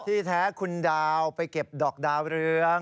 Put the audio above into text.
ที่แท้คุณดาวไปเก็บดอกดาวเรือง